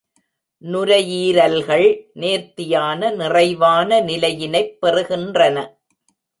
நுரையீரல்கள் நேர்த்தியான, நிறைவான நிலையினைப் பெறுகின்றன.